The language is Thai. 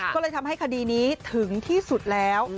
ก็เลยทำให้คดีนี้ถึงที่สุดแล้ว